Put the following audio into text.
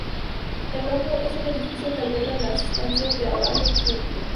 El Hōjō es el edificio que alberga las estancias del abad del templo.